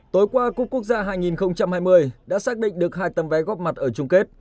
tối qua cúp quốc gia hai nghìn hai mươi đã xác định được hai tấm vé góp mặt ở chung kết